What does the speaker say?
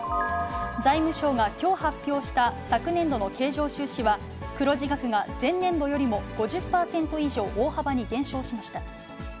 財務省がきょう発表した昨年度の経常収支は、黒字額が前年度よりも５０％以上大幅に減少しました。